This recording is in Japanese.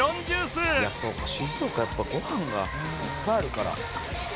静岡やっぱご飯がいっぱいあるから」